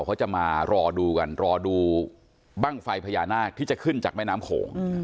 เขาจะมารอดูกันรอดูบ้างไฟพญานาคที่จะขึ้นจากแม่น้ำโขง